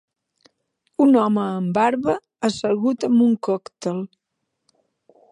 Un home amb barba assegut amb un còctel